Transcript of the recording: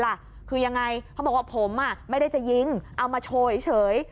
คือยังไงเขาบอกว่าผมไม่ได้จะยิงเอามาโชว์เฉย